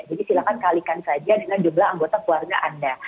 jadi silakan kalikan saja dengan jumlah anggota keluarga anda